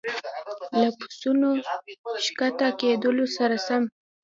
له بسونو ښکته کېدلو سره سم.